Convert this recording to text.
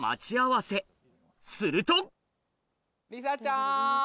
するとりさちゃん！